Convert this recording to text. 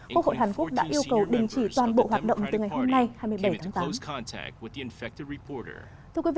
quốc hội hàn quốc đã yêu cầu đình chỉ toàn bộ hoạt động từ ngày hôm nay hai mươi bảy tháng tám